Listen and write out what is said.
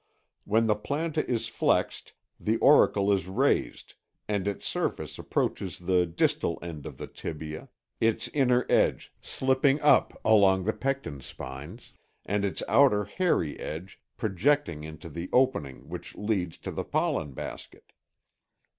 When the planta is flexed the auricle is raised and its surface approaches the distal end of the tibia, its inner edge slipping up along the pecten spines and its outer hairy edge projecting into the opening which leads to the pollen basket.